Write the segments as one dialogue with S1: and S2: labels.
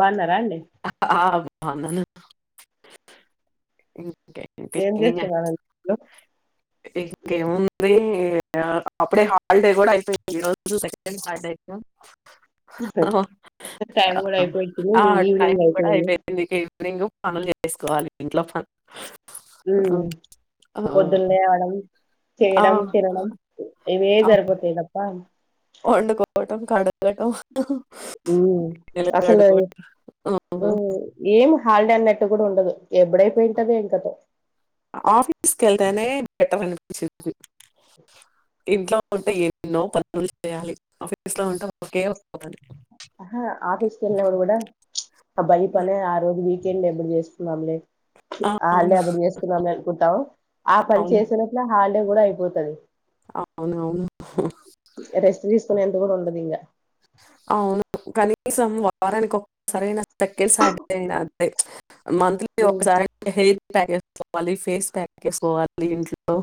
S1: బాగున్నారా అండి
S2: ఆ అనను
S1: ఏం
S2: మ్మ్
S1: చేస్తున్నారండి ఇప్పుడు?
S2: ఇంకేముంది అప్పుడే హలిడే కూడా అయిపోయింది ఈరోజు సెకండ్ సాటర్డే
S1: టైమ్ కూడా అయిపోయితుంది ఈవనింగ్ అయిపోయింది
S2: వినింగ్ పనులు చేసుకోవాలి ఇంట్లో అ
S1: ఉ పొద్దున్ లేవడం
S2: ఆ,
S1: చేయడం తినడం ఇవే సరిపోతాయ్ తప్ప
S2: వండుకొ వోటం కడగడం
S1: మ్ అసలు మ్ ఏం హాలిడే అన్నట్టు గుడుండదు ఎప్పుడైపోయింటది ఏం కథో
S2: ఆఫీస్ కెళ్తేనే బెటర్ అండి ఇంట్లో ఉంటే ఎన్నో పనులు చేయాలి ఆఫీస్ లో ఉంటే ఒకే ఒక్క పని
S1: ఆహా ఆఫీస్ కి వెళ్ళినపుడు గుడా అబ్బ ఈ పనే ఆ రోజు వీక్ ఎనబుల్ చేసుకున్నాంలే
S2: ఆ,
S1: హాలీడే అప్పుడు చేసుకుందాంలే అనుకుంటాం ఆ పని చేసే లోపల హల్ గూడా అయిపోతది
S2: అవునవును హు
S1: రెస్ట్ తీసుకునే అంత కూడా ఉండదు ఇంగా
S2: అవును కనీసం వారానికి ఒక్కసారి అయినా చెక్కెసి అయిన తినాలి అంతే మంత్లీ
S1: ఉమ్
S2: ఒకసారి ఐనా హెయిర్ ప్యాక్ వేసుకోవాలి ఫేస్ ప్యాక్ ఏసుకోవాలి ఇంట్లో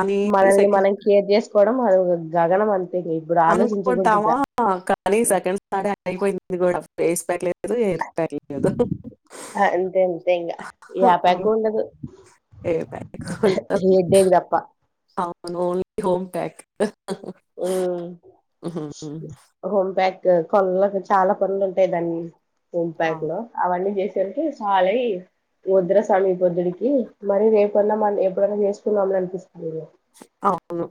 S2: అని
S1: మనల్ని
S2: సెక
S1: మనం కేర్ చేసుకోవడం అరగుద్దు జగనం అం
S2: అనుకుంటామా కానీ సెకండ్ సట డే అయిపోయింది కూడా వేస్ ప్యాక్ లేదు ఇద ఏర్ తెలియదు [inaudible]
S1: అంతే అంతే ఇంగా యాపాకు ఉండదు హెడేక్ తప్ప
S2: మ ఓన్లీ హోం ప్యాక్ అ
S1: హుమ్ హోంబ్యాగ్ కొల్లకి చాలా పనులు ఉంటాయి దాన్ని ఉంపాకు
S2: అవును.
S1: లో అవన్నీ చేస్ తేనికి సాలయి ముద్ర సమీపొద్దుడికి మరి రేపన్నా మన ఎప్పుడన్నా చేసుకున్నాంలె అన్పిస్తది
S2: అవును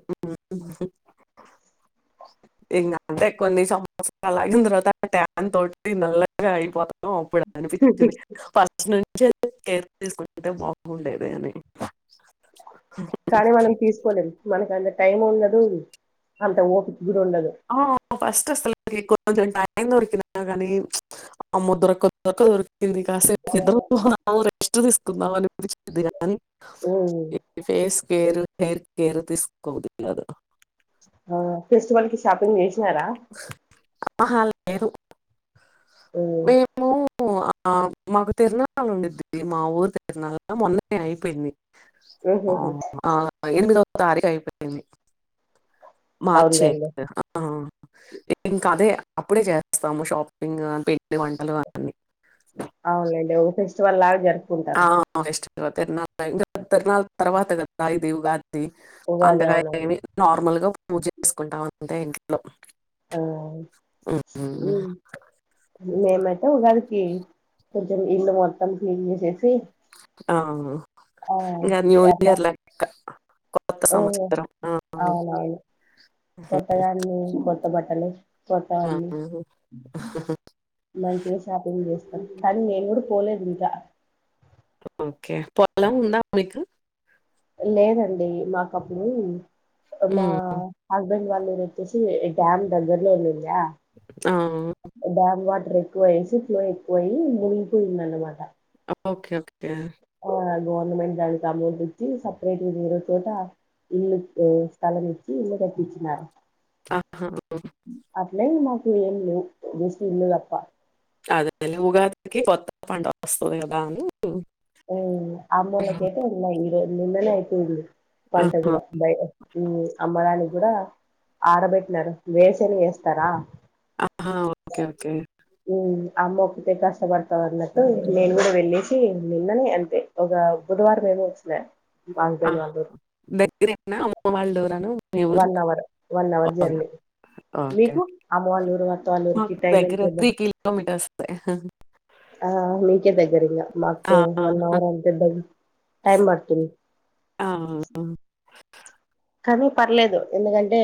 S2: ఇంటే కొన్ని సంవత్సరాలు అలాగిన తర్వాత ట్యాన్ తోటి నల్లగా అయిపోతా అనూ ఇప్పుడు అనిపిస్తుంది పర్సనన్ కే తీసుకుంటే బగుండేది అది
S1: కానీ. మనం తీస్కోలేం మనకందరి. టైం ఉండదు అంత ఓపి.
S2: ఆ ఫస్ట్ అస్సల్కి కో. కొంచెం టైం దొరికినా గాని అమ్మో దొరక్క దొరక్క దొరికింది కాసేప్ నిద్రబోధము రెస్ట్ తీసుకుందాం అనిపించింది. గాని
S1: ఉమ్
S2: అ ఫేస్. ఏరు ఏర్ ఏరు తీసుకోబుడ్డికదూ.
S1: ఆ ఫెస్టివల్ కి షాపింగ్ జేస్.
S2: అహ. లేదు.
S1: అ
S2: ఊ ఆ మాకు తీర్ణలుండిద్డి మా ఊరు తీర్ణల మొన్నే ఐపోయింది. ఆ
S1: ఉహుహు
S2: ఆ ఎందు. తారీఖ ఐపెంది. మార్చి
S1: అవునులేండి
S2: [unintelligible] ఇంకా అదే అప్పుడే చేస్తాము షాపింగ్ పిండి వంటలు అన్ని.
S1: అవునండి ఓపేస్. వళ్లగా.
S2: ఆ వేస్ట్. ధో తీర్ణల్ [unintelligible] ఐతర్వాత [unintelligible] గాయి ఇగా ఉగాది. తీ
S1: ఉగాది
S2: అంతగా
S1: అవునవును
S2: నార్మల్ గా. పూజ చేసుకుంటాం అంతే ఇంట్లో
S1: ఆ
S2: హ్మ్.
S1: మేమైతే ఉగాది. హి కుంచం ఇల్లు మొత్తం చిమ్మేసేసి.
S2: ఆ. ఇగా న్యూ ఇయర్ లెక్క. కొత్త
S1: ఓ
S2: సంవత్సరం. ఆ!
S1: అవునవును కొత్తగాన్ని కో. బట్టలు.
S2: ఆ!
S1: కొట్టమని మంచిగా షాపింగ్ చేస్త తన్ నేన్ గుడా పోలేదింక.
S2: ఉమ్ [unintelligible] కే పాలెం [unintelligible] ఉందా మన ఇంట్లో.
S1: లేదండి మాకప్పుడు. అమా
S2: హ్మ్.
S1: అ. హస్బెండ్ వాళ్లురోచ్చేసి ఈ డ్యామ్ దగ్గరలో ఉంది యా
S2: ఆ!
S1: దాన్ని వట్ ర్ ఎక్కువయేసి ఫ్లో ఎక్కువయి మునిగిపోయిందనమాట.
S2: ఓకె ఓకె డ్య
S1: గవర్నమెంట్ దానికి అమౌంట్ ఇచ్చి సపరేట్గా ఇంగో చోట ఇల్లు ఉ స్థలం ఇచ్చి ఇల్లు కట్టిచ్చినారు.
S2: ఆహా!
S1: అట్లే మా ఏం లేవు జస్ట్ ఇల్లు దప్ప
S2: అదే [unintelligible] ఉగాదికి కొత్త పంట వస్తది కదా అని
S1: మ్మ్ అమ్మోల్లకైతే ఉన్నాయి. నిన్ననే అయిపోయింది పంట
S2: ఆహా!
S1: కూడా బై వో మ్మ్ అమ్మడానికి కూడా ఆరబెట్టినారు వేరుశనగ ఏస్తారా?
S2: ఆహా ఓకె ఓకె
S1: మ్మ్ అమ్మ ఒక్కతె కష్టపడతాదన్నట్టు నేను కూడా వెళ్ళేసి నిన్ననే అంతే ఒక బుధవారం ఏమో వచ్చిన. మా హస్బెండ్
S2: ఆహ
S1: వాళ్ళ
S2: దెగ్గరేనా అమ్మ మ వాళ్ళరు
S1: one hour one hour journey.
S2: Okay.
S1: మీకు అమ్మవాళ్ళూరు అత్తవాళ్ళూరికి
S2: మాకు
S1: టైం
S2: దగ్గర
S1: ఎంత జర్
S2: కిలోమీటర్సే.
S1: ఆ నీకె దగ్గరింగ మాకు
S2: ఆ!
S1: వన్ అవర్ అంత దగ్ టైమ్ బడ్తుంది.
S2: ఆ!
S1: కానీ పర్లేదు. ఎందుకంటే,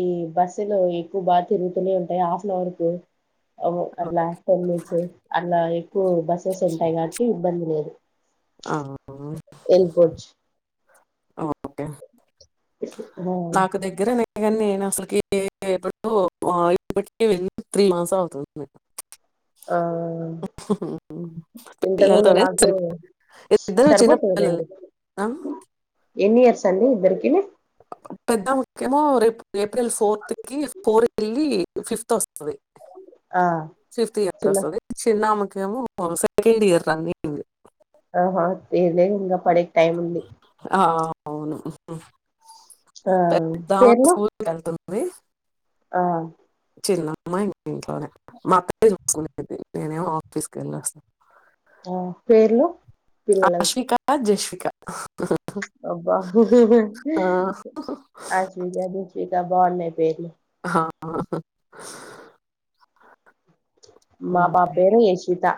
S1: ఈ బస్సులు ఎక్కువ బాగా తిరుగుతూనే ఉంటాయి హాఫ్ అన్ అవర్ కి అవి
S2: ఓ
S1: అట్లా తగిలించే అల్లాయి. ఓ బస్సస్ ఉంటాయి కాబట్టి ఇబ్బంది లేదు.
S2: ఆ మ్మ్
S1: వెళ్ళిపోవచ్చు
S2: ఓకె
S1: అహ
S2: ఇంగ నేనసలుకి ఇప్పుడు ఇప్పటికి వెళ్ళి త్రీ మంత్స్ అవుతుంది.
S1: ఆ ఇంతకు ముందు
S2: పిల్లలతోనే
S1: నాకు
S2: సరిపో ఇద్దరు చిన్నపిల్లలే. ఆ
S1: ఎన్నియర్స్ అండి ఇద్దరికి?
S2: పెద్ద ముఖ్యమో రేపు ఎపు ఏప్రిల్ ఫోర్త్ కి ఫోర్ ఎల్లి ఫిఫ్త్ ఒస్ సరె
S1: ఆ
S2: ఫిఫ్త్ ఇయర్
S1: చిన్న
S2: వొస్తాది. చిన్నామకి, ఏమో సెకండ్ ఇయర్ రన్నింగ్
S1: దే ఇంగా పడకి టైం ఉంది
S2: ఆ, అవును
S1: ఆ పేర్లు
S2: ది
S1: ఆ
S2: చిన్నమ్మ ఇం ఇంట్లోనే మా అక్క చూసుకునే నేనేమో ఆఫీస్కి వెళ్ళి వస్తాను
S1: ఆ పేర్లు పిల్లలకు
S2: అశ్విక జశ్విక
S1: అబ్బా
S2: ఆ,
S1: అశ్విక జశ్రీ బవున్నయ్ పేర్లు
S2: ఆ
S1: మా పాప పేరు యశ్వితా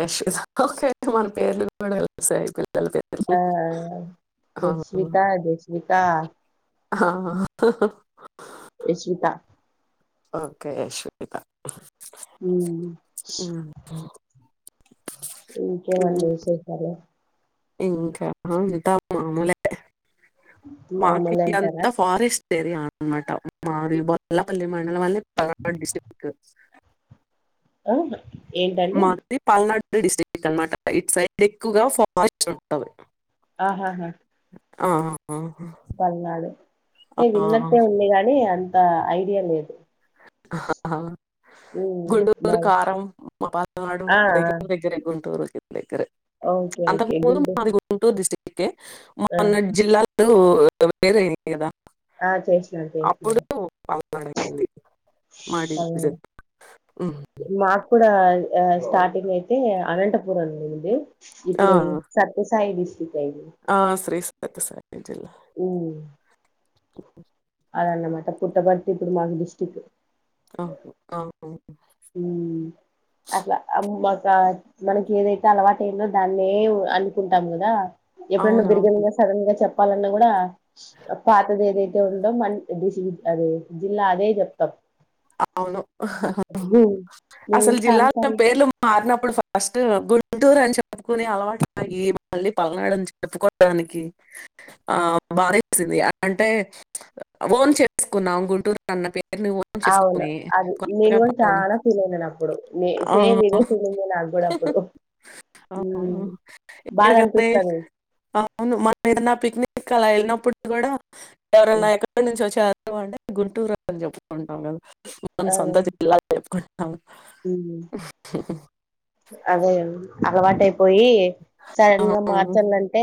S2: యాష్ [unintelligible]
S1: ఆ జష్విత జష్వికా
S2: ఆ
S1: యశ్విత
S2: ఓకే యశ్విత
S1: ఉమ్
S2: ఉమ్
S1: ఇంకేం అండి విశేషాలు
S2: ఇంక అంత మామూలే మాకి
S1: మామూలే
S2: అంత
S1: అంటారా
S2: ఫారెస్ట్ సరిన్నమాట మారి పల్ మండ మల్ ప డిస్క్
S1: ఆ ఏంటండి
S2: డిస్టక్ అనమాట ఇట్ సైడ్ ఎక్కువగా ఫాస్ట్ ఉంటది
S1: ఆహాహా
S2: ఆ ఆహ
S1: ఏ విన్నటె ఉంది గానీ అం ఆ ఐడియా లేదు ఉమ్
S2: [inaudible] గుంటూరు
S1: బాయ్
S2: కారం మా పల్నాడు
S1: ఆ ఆ
S2: దగ్గర దగ్గర గుంటూరు దగ్గరే
S1: ఓకే
S2: అంతకు
S1: ఓకే
S2: ముందు మాది గుంటూరు డిస్టిక్ కే
S1: ఆ
S2: మొన్నట్ జిల్లా లు వేరే కదా
S1: ఆ చేసినాడు చేసినడు
S2: మ విజ [unintelligible]
S1: మాకు కూడా స్టార్టింగ్ అయితే అనంతపురం ఉంది
S2: ఆ!
S1: ఇప్పుడు సత్య సాయి డిష్ట
S2: ఆ శ్రీస్ సత్య సాయి
S1: ఊ
S2: ఓకే
S1: అన్నమాట పట్టప్పర్టిప్పుడు మా డిస్ట్
S2: అవును. అవును.
S1: అట్లా అబ ఆ మనకి ఏదైతే అలవాటు ఏందో దాన్నే అనుకుంటాం కదా
S2: అవునవును.
S1: ఎప్పుడు [unintelligible] సడన్ గా చెప్ప వాళ్ళని కూడా పాతదేదై [inaudible] మ దిశ అదే జిల్లా అదే చెప్తాం
S2: అవును
S1: ఉమ్, నేను
S2: అసలు
S1: కూడా చాలా
S2: జిల్లాలో
S1: సార్లు
S2: పేర్లు మారినప్పుడు ఫస్ట్ గుంటూరు అని చెప్పుకుని అలవాటుగి మళ్ళీ పల్నాడు అని చెప్పుకోడానికి ఆ బాధెస్తుంది అంటే ఓన్ చేసుకున్నాం గుంటూరు అన్న పేరుని ఓన్
S1: అవును
S2: చేసుకొని
S1: అది నేను
S2: కొత్తగా
S1: కూడా
S2: పాలన
S1: చానా ఫీల్ అయినాను అప్పుడు నే
S2: ఆ!
S1: సేమ్ ఇదే ఫీల్ అయింది నాకు కూడా అప్పుడు
S2: అవును.
S1: బాగా
S2: ఎక్కడికంటే
S1: అనిపిస్తాంది
S2: అవును. మనమేదన్నా పిక్నిక్ అలా వెళ్ళినప్పుడు కూడా ఎవరన్నా ఎక్కడి నుంచి వచ్చారు డి గుంటూరుని చెప్పు ఉంటాంగ మ
S1: ఆ
S2: సొంత ఎలా చె
S1: అదే అలవాటుయిపోయి
S2: ఆ!
S1: సడన్ గా మార్చాలంటే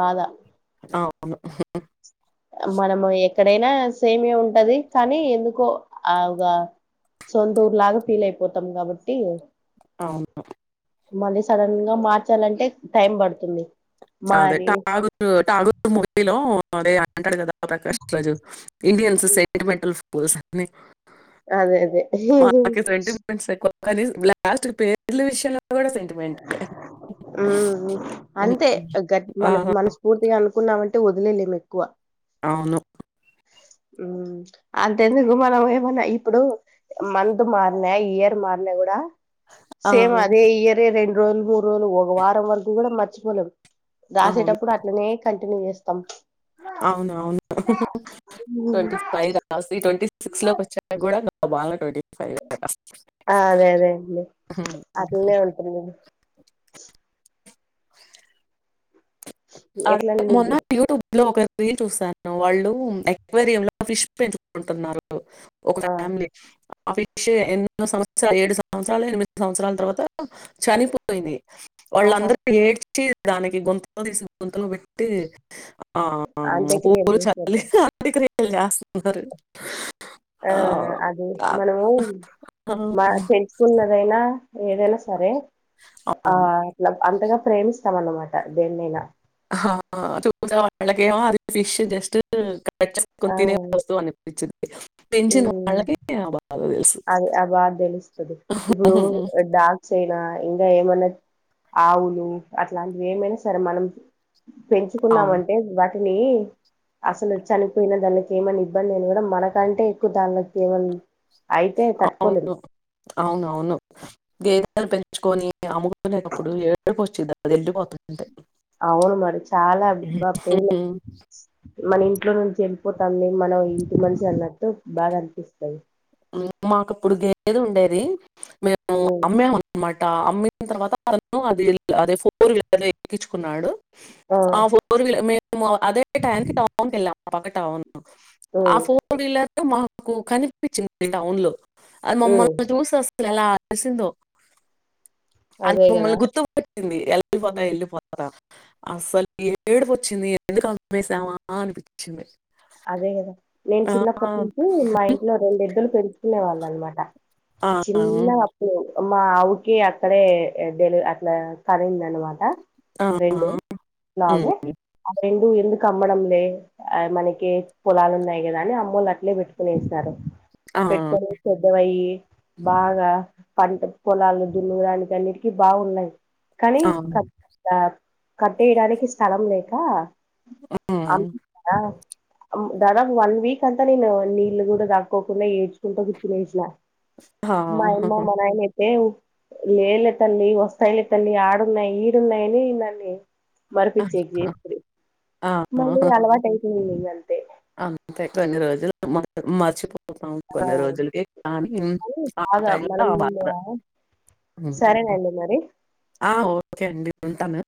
S1: బాధ
S2: అవును
S1: మనము ఎ ఎక్కడైనా సేమే ఉంటది కానీ ఎందుకో ఆ ఒక సొంత ఊరు లాగా ఫీల్ అయిపోతాం కాబట్టి
S2: అవును
S1: మళ్ళీ సడన్ గా మార్చాలంటే టైం పడుతుంది
S2: అదే
S1: మరి
S2: [unintelligible] [inaudible] [unintelligible] అంటాడు కదా ప్రకాష్ రాజు, ఇండియన్స్ సెంటిమెంటల్ ఫు. పోసాన్ని.
S1: అదే అదే.
S2: కనీస్ అది లాస్ట్ పేపర్ల విషయంలో. కూడా సెంటిమెంట్ ఉమ్.
S1: తే గట్ మనక్, మనస్ఫూర్తిగా అనుకున్నామంటే ఓద్. [unintelligible] ఎక్కువ.
S2: అవును.
S1: ఉమ్ అంతెందుకు మనం ఏమన్నా ఇప్పుడు, మంత్ మారిన, ఇయర్ మారిన గూడా.
S2: ఆ,
S1: సేమ్ అదే
S2: అవును
S1: ఇయర్. రెండు రోజులు, మూడు రోజులు, ఒక వారం వరకు గూడా మర్చిపోలేం. రాసేటప్పుడు అట్లనే కన్. టిన్యూ చేస్తాం.
S2: అవును, అవును
S1: ఉమ్.
S2: ట్వంటీ ఫైవ్ రాసి, ట్వంటీ. సిక్స్ లోక్ ఓచ్చాక గూడా. [inaudible]
S1: ఆ అదే అదే అండి,
S2: ఫైవ్
S1: అట్లానే ఉంటుంది. అ
S2: అఓే
S1: ఎట్లా
S2: అదే
S1: అండి
S2: మొన్న
S1: మీకు
S2: యూట్యూబ్ లో ఒకర్. రీల్ చూసాను, వాళ్ళు ఎక్వేరియం లో ఫిష్ పెంచూకుంటున్నారు. [unintelligible] ఒక
S1: ఆ
S2: ఫ్యామిలీ. ఆఫెక్ష ఎన్నో సంవత్సరాల్ ఏడు సంవత్సరాలు, ఎనిమిది సంవత్సరాల తర్వాత చనిపోయింది.
S1: ఆహా
S2: వాళ్ళందర్ ఎడ్చ్. చీ దానికి గోన్త్. [unintelligible] గుంతలో వెట్టి. ఆ ఆ.
S1: అంత్యక్రియలు చేసినట్టు
S2: [inaudible] [unintelligible]
S1: ఆ అది మనము, మా తెలుసున్నదైనా. ఏదైనా సరే. ఆ
S2: అవును.
S1: అట్ల అంతగా ఫ్రేమ్స్. ఇష్టం అన్నమాట దేన్నైనా.
S2: హా చూసే వాళ్లకేమో, అది ఫిష్ జస్ట్ ఇంకా. పచ్చకుని
S1: ఆ
S2: తినే వస్తువు అనిపించింది. పెంచిన
S1: ఉమ్
S2: వాళ్ళకి ఆ బాగా తెల్సు.
S1: అది ఆ బాగా తెలుస్తుంది ఇప్పుడు డాక్స్ అయినా ఇంకా ఏమన్నా ఆవులు అట్లాంటివి ఏమైనా సరే మనం
S2: అవును
S1: పెంచుకున్నామంటే బ వాని అసలు చనిపోయిన దానికి ఏమైనా ఇబ్బంది అని కూడా మనకంటే ఎక్కువ దానిలోకి ఏమన్నా అయితే తట్టుకోలేము
S2: అవును అవునువును గేదలు పెంచుకొని అమ్ముకునేటప్పుడు ఎడుకి వచ్చిదిాది వెళ్ళిపోతుంది
S1: అవును మరి చాలా
S2: హ్మ్
S1: బా పెయి
S2: హ్మ్.
S1: మన ఇంట్లో నుంచి వెళ్ళిపోతుంది మన ఇంటి మనిషి అన్నట్టు బాగా అనిపిస్తాయి
S2: మాకు ఇప్పుడు గేద ఉండేది మేము
S1: ఉ
S2: అమ్ మా అమ్మిన తర్వాత అ అది అదే ఫోర్ వీలర్ ఎక్కించుకున్నాడు ఆ ఫోర్ వీలర్ అదే టైనికి టవన్కి వెళ్ళా అ పక్క టవన్
S1: ఉ
S2: ఆ ఫోర్ వీలర్ మాకు కని టౌన్ లో అ
S1: ఉ
S2: మమ్మల్లో జ్యూస్ లా ఆసింద అంత
S1: అదే కదా
S2: మిమ్మల్ని గుర్తు వచ్చింది వెళ్లిపోతా వెళ్ళిపోతా అసలు ఏడుపు వచ్చింది ఎందుకు అమసామా అనిపించింది
S1: అదే గదా నేను చిన్నప్పటి నుంచి మా ఇంట్లో రెండు ఏద్దులు పెడ్ తినేవాల్ అనమాట
S2: ఆ!
S1: చిన్నప్పుడ్ మా ఆవుకి అక్కడే డెలివ అట్లా కన్నింది అనమాట
S2: ఆ!
S1: రెండే లాగే
S2: హ్మ్.
S1: ఆ రెండు ఎంన్ కమ్మడంలే ఆ మనక్ కే పొలాలు ఉన్నాయి కదా అని అమ్మ వాళ్ళ అట్లే పెట్టుకునేసారు
S2: ఆ!
S1: పెట్టుక్నేసి అబ్బాయి బాగా పంట పొలాలు దున్నడానికి అన్నిటికి బాగున్నాయి కానీ
S2: ఆ!
S1: కత్ బాగ్ కట్టేయడానికి స్థలం లేక
S2: హ్మ్.
S1: అనుకుంటున్నావా దాదాపు ఒక వన్ వీక్ అంతా నేను నీళ్లు కూడా తాక్కోకుండా ఏడ్చుకుంటూ కూర్చునేసిన
S2: ఆ!
S1: మా యామ్మా మా నానైతే లేలే తల్లి వస్తాయిలే తల్లి ఆడున్నాయి ఈడున్నాయని ఈ దన్ని మరిపించేకి చేసింది
S2: ఆ!
S1: మళ్ళీ అలవాటు అయితు
S2: అంతే కొన్ని రోజులు మరిచపో
S1: ఆ
S2: కొన్ని రోజులక కానీ
S1: కానీ
S2: ఆ
S1: బాగా
S2: టై లో
S1: మనం
S2: ఆ బాధ
S1: సరేనండి మరి
S2: ఆ ఓకే అండి ఉంటాను